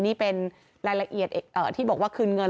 นี่เป็นรายละเอียดที่บอกว่าคืนเงิน